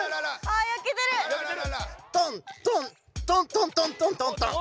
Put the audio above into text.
トントントントントントントントン。